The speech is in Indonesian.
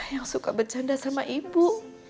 yang suka bercanda sama ibu